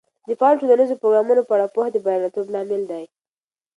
د فعالو ټولنیزو پروګرامونو په اړه پوهه د بریالیتوب لامل دی.